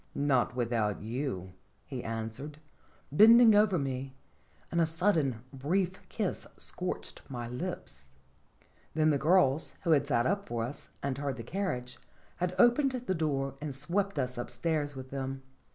"Not without you," he answered, bending over me, and a sudden, brief kiss scorched my lips. Then the girls, who had sat up for us, and Singeb iHoltya. 61 heard the carriage, had opened the door and swept us upstairs with them.